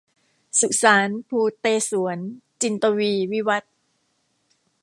สุสานภูเตศวร- จินตวีร์ วิวัธน์